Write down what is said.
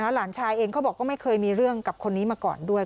หลานชายเองเขาบอกก็ไม่เคยมีเรื่องกับคนนี้มาก่อนด้วย